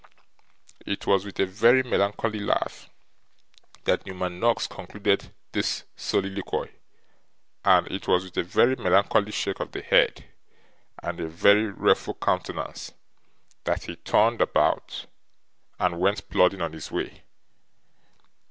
It was with a very melancholy laugh that Newman Noggs concluded this soliloquy; and it was with a very melancholy shake of the head, and a very rueful countenance, that he turned about, and went plodding on his way.